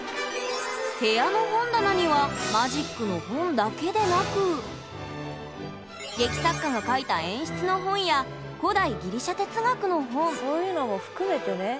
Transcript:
部屋の本棚には劇作家が書いた演出の本や古代ギリシャ哲学の本そういうのも含めてね。